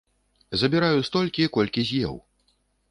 Забіраю столькі, колькі з'еў.